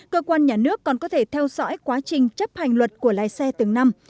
cơ quan nhà nước còn có thể theo dõi quá trình chấp hành luật của lái xe từng năm